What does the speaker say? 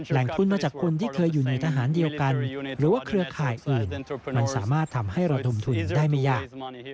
ทุนมาจากคนที่เคยอยู่ในทหารเดียวกันหรือว่าเครือข่ายอื่นมันสามารถทำให้ระดมทุนได้ไม่ยาก